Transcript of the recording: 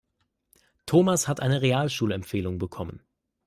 Thomas hat eine Realschulempfehlung bekommen.